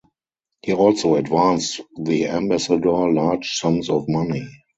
He also advanced the ambassador large sums of money.